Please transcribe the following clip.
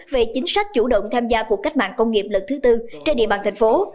về chính sách chủ động tham gia cuộc cách mạng công nghiệp lần thứ tư trên địa bàn thành phố